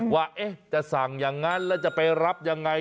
ว่าจะสั่งอย่างนั้นแล้วจะไปรับยังไง